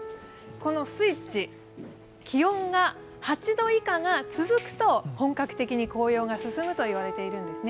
このスイッチ、気温が８度以下が続くと本格的に紅葉が進むといわれているんですね。